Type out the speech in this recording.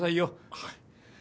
はい。